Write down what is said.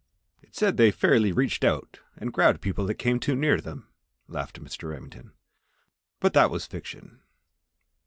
"It said they fairly reached out and grabbed people that came near to them," laughed Mr. Remington; "but that was fiction."